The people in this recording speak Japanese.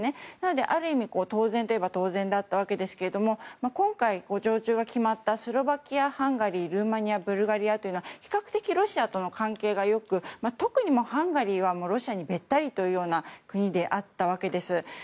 だからある意味当然といえば当然だったわけですけども今回、常駐が決まったスロバキアハンガリー、ルーマニアブルガリアというのは比較的ロシアとの関係がよくとくにハンガリーはロシアにべったりという国であったわけです。